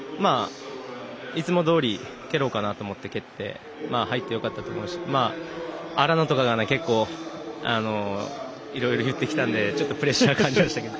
いつもどおり蹴ろうかなと思って蹴って入ってよかったと思うし荒野とかが結構いろいろ言ってきたのでちょっとプレッシャーを感じましたけど。